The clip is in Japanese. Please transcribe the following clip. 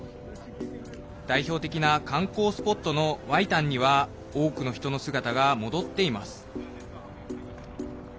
代表的な観光スポットの外灘には多くの人の姿が戻っています。